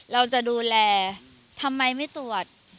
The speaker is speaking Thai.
เราจะดูแลทำไมไม่ตรวจ